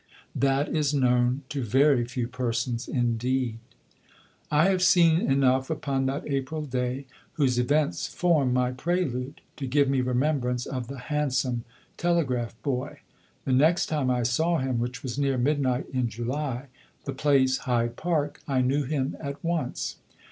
That is known to very few persons indeed. I had seen enough upon that April day, whose events form my prelude, to give me remembrance of the handsome telegraph boy. The next time I saw him, which was near midnight in July the place Hyde Park I knew him at once.